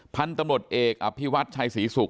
พันธ์ตำรวจเอกอภิวัฒน์ชายศรีสุข